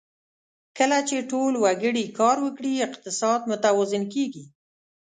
کله چې ټول وګړي کار وکړي، اقتصاد متوازن کېږي.